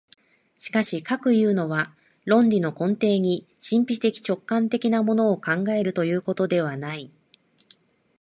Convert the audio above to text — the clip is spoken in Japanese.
しかしかくいうのは、論理の根底に神秘的直観的なものを考えるということではない。